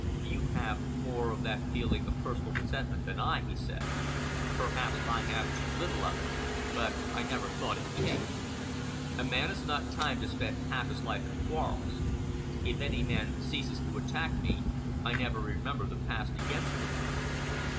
"You have more of that feeling of personal resentment than I," he said. "Perhaps I have too little of it, but I never thought it paid. A man has not time to spend half his life in quarrels. If any man ceases to attack me, I never remember the past against him."